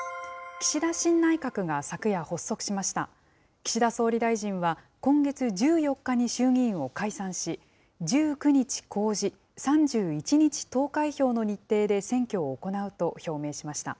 岸田総理大臣は、今月１４日に衆議院を解散し、１９日公示、３１日投開票の日程で選挙を行うと表明しました。